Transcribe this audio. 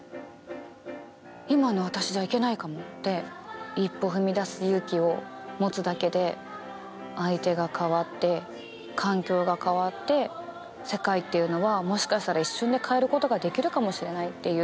今の私じゃいけないかもって一歩踏み出す勇気を持つだけで相手が変わって環境が変わって世界っていうのはもしかしたら一瞬で変えることができるかもしれないっていう。